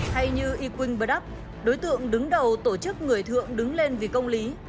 thay như y quỳnh bờ đắp đối tượng đứng đầu tổ chức người thượng đứng lên vì công lý